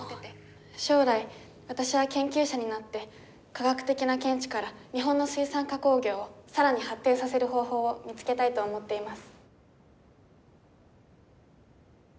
「将来私は研究者になって科学的な見地から日本の水産加工業を更に発展させる方法を見つけたいと思っています」。